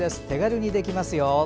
手軽にできますよ。